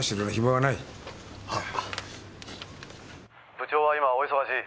「部長は今お忙しい」